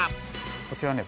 こちらね